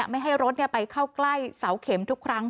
ไม่ให้รถไปเข้าใกล้เสาเข็มทุกครั้ง